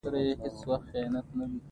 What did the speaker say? پرمختګ د ودې نښه ده.